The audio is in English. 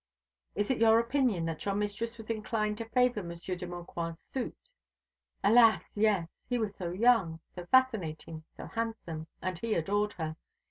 "Is it your opinion that your mistress was inclined to favour Monsieur de Maucroix' suit?" "Alas, yes! He was so young, so fascinating, so handsome, and he adored her.